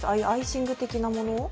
アイシング的なもの。